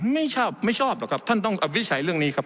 ไม่ชอบไม่ชอบหรอกครับท่านต้องอวิจัยเรื่องนี้ครับ